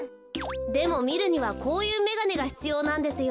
でもみるにはこういうめがねがひつようなんですよ。